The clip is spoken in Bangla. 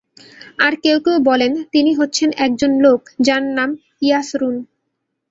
আবার কেউ কেউ বলেন, তিনি হচ্ছেন একজন লোক যার নাম ইয়াসরূন।